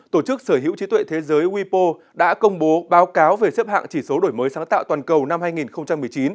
tổ chức sở hữu trí tuệ thế giới wipo đã công bố báo cáo về xếp hạng chỉ số đổi mới sáng tạo toàn cầu năm hai nghìn một mươi chín